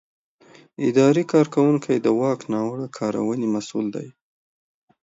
اداري کارکوونکی د واک ناوړه کارونې مسؤل دی.